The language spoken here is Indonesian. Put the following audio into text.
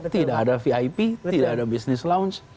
tidak ada vip tidak ada business lounge